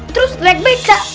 terus rek beca